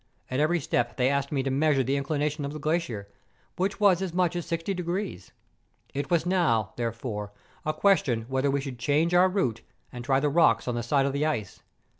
At every step they asked me to measure the inclination of the gla¬ cier, which was as much as sixty degrees. It was now, therefore, a question whether we should change our route, and try the rocks at the side of the ice.